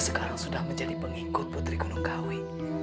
saya sudah menjadi pengikut putri gunungkawi